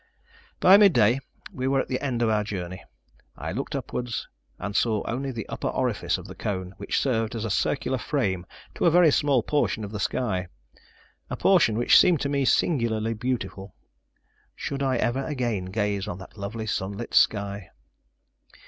By midday we were at the end of our journey. I looked upwards, and saw only the upper orifice of the cone, which served as a circular frame to a very small portion of the sky a portion which seemed to me singularly beautiful. Should I ever again gaze on that lovely sunlit sky!